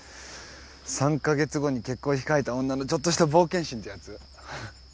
３か月後に結婚を控えた女のちょっとした冒険心ってやつ？